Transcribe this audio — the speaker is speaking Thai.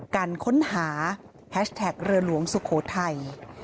การค้นหาแฮชแท็กเรือหลวงสุโขทัย